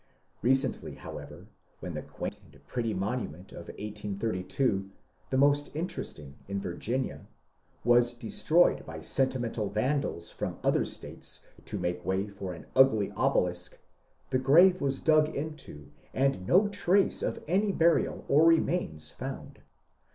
Be eently, however, when the quaint and pretty monument of 1832, the most interesting in Virginia, was destroyed by sen timental vandals from other States to make way for an ugly obelisk, the grave was dug into and no trace of any burial or remains found.